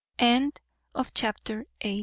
Chapter ix.